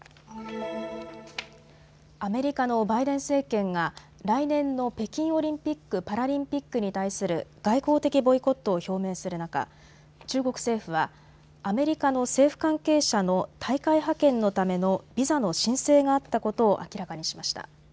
アメリカのバイデン政権が来年の北京オリンピック・パラリンピックに対する外交的ボイコットを表明する中、中国政府はアメリカの政府関係者の大会派遣のためのビザの申請があったことを明らかにしました。